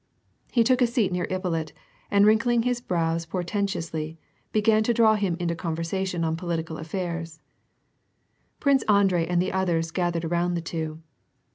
He took a seat near Ippolit and wrinkling his brows porten tously, began to draw him into a conversation on political affairs. Prince Andrei and the others gathered around the two.